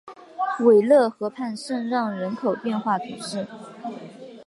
韦勒河畔圣让人口变化图示